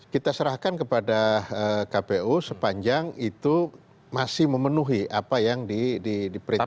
kita serahkan kepada kpu sepanjang itu masih memenuhi apa yang diperintahkan